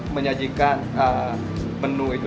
menyajikan menu itu